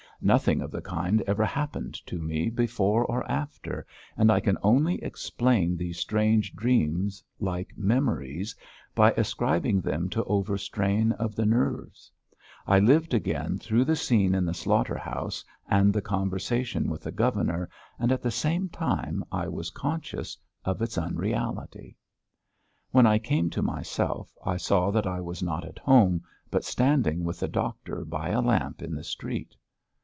Nothing of the kind ever happened to me, before or after, and I can only explain these strange dreams like memories, by ascribing them to overstrain of the nerves. I lived again through the scene in the slaughter house and the conversation with the governor, and at the same time I was conscious of its unreality. When I came to myself I saw that I was not at home, but standing with the doctor by a lamp in the street.